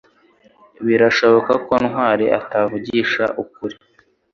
Birashoboka ko Ntwali atavugisha ukuri